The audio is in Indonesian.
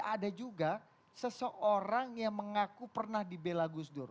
ada juga seseorang yang mengaku pernah dibela gus dur